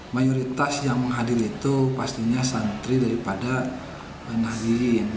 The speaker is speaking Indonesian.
mayoritas yang menghadir itu pastinya santri daripada benah diin